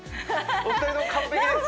お二人とも完璧です